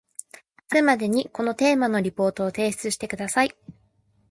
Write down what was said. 明日までにこのテーマのリポートを提出してください